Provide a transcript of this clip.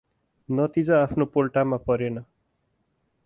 नतिजा आफ्नो पोल्टामा परेन ।